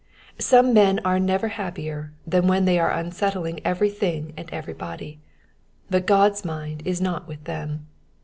Some men are never happier than when they are unsettling everything and everybody ; but God's mmd is not with them.